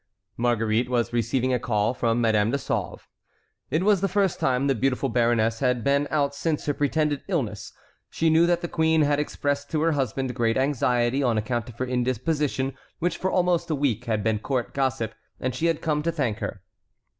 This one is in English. Marguerite was receiving a call from Madame de Sauve. It was the first time the beautiful baroness had been out since her pretended illness. She knew that the queen had expressed to her husband great anxiety on account of her indisposition, which for almost a week had been court gossip, and she had come to thank her.